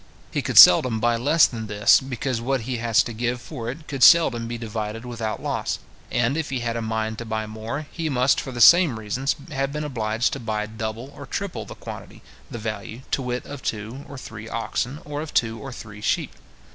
He could seldom buy less than this, because what he was to give for it could seldom be divided without loss; and if he had a mind to buy more, he must, for the same reasons, have been obliged to buy double or triple the quantity, the value, to wit, of two or three oxen, or of two or three sheep.